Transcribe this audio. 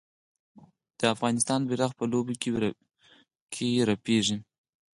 د افغانستان بیرغ په لوبو کې رپیږي.